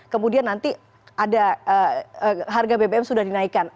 kemudian nanti ada harga bbm sudah dinaikkan